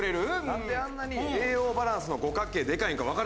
なんであんなに栄養バランスの五角形でかいんかわからんらしい。